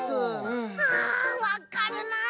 あわかるなあ！